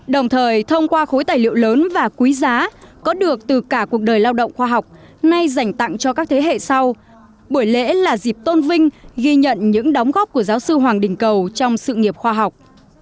đồng thời thông qua khối tài liệu lớn và quý giá có được từ cả cuộc đời lao động khoa học nay dành tặng cho các thế hệ sau buổi lễ là dịp tôn vinh ghi nhận những đóng góp của giáo sư hoàng đình cầu trong sự nghiệp khoa học